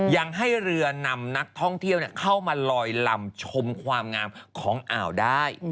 ยังให้เรือนำนักท่องเที่ยวเข้ามาลอยลำชมความงามของอ่าวได้